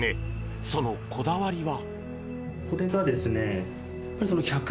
そのこだわりは。